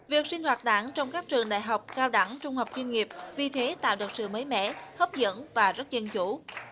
việc sinh hoạt đảng trong các trường đại học cao đẳng trung học chuyên nghiệp vì thế tạo được sự mới mẻ hấp dẫn và rất dân chủ